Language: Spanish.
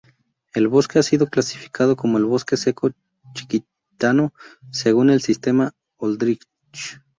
El bosque ha sido clasificado como bosque seco chiquitano según el sistema Holdridge.